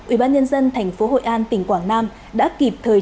ubnd tp hội an tỉnh quảng nam đã kịp thời gian